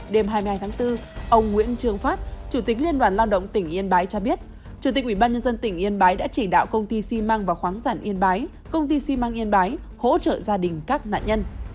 đêm hai mươi hai tháng bốn ông nguyễn trường phát chủ tịch liên đoàn lao động tỉnh yên bái cho biết chủ tịch ubnd tỉnh yên bái đã chỉ đạo công ty xi măng và khoáng sản yên bái công ty xi măng yên bái hỗ trợ gia đình các nạn nhân